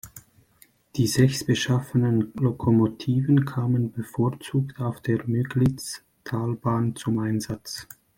Die sechs beschafften Lokomotiven kamen bevorzugt auf der Müglitztalbahn zum Einsatz.